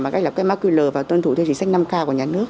mà gọi là cái macular và tuân thủ theo chính sách năm k của nhà nước